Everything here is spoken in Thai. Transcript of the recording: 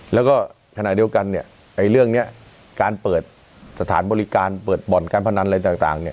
แล้วก็ขณะเดียวกันเนี่ยเรื่องนี้การเปิดสถานบริการเปิดบ่อนการพนันอะไรต่างเนี่ย